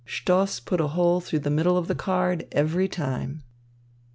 Stoss put a hole through the middle of the card every time.